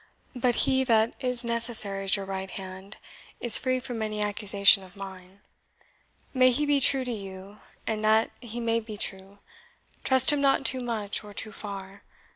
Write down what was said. But he that is necessary as your right hand to your safety is free from any accusation of mine. May he be true to you; and that he may be true, trust him not too much or too far.